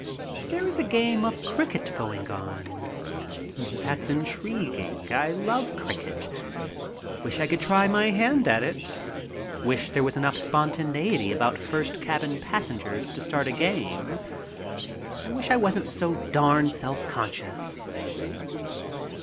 There is a game of cricket going on. That's intriguing. I love cricket. Wish I could try my hand at it. Wish there was enough spontaneity about first cabin passengers to start a game. I wish I wasn't so darn self conscious.